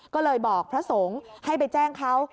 ก็เลยบอกพระสงฆ์ให้ไปแจ้งเขา